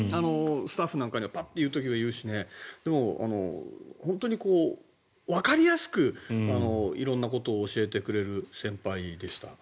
スタッフにもパッと言う時は言うしでも、本当にわかりやすく色んなことを教えてくれる先輩でした。